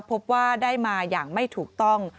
พบว่าได้มาอย่างไม่ถูกต้อง